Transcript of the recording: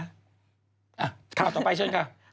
อ่ะข่าวต่อไปเชิญข่าว